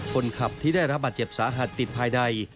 คนขับที่ได้รับบาดเจ็บสาหัสติดภายใด